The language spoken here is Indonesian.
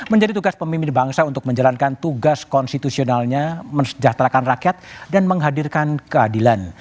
menjadi tugas pemimpin bangsa untuk menjalankan tugas konstitusionalnya mensejahterakan rakyat dan menghadirkan keadilan